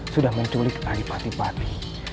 sudah menculik adipaten pati